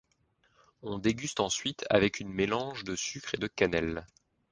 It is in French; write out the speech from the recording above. On déguste ensuite avec une mélange de sucre et de cannelle.